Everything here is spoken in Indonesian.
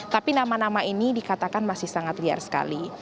tapi nama nama ini dikatakan masih sangat liar sekali